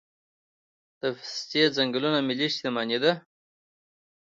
د پستې ځنګلونه ملي شتمني ده؟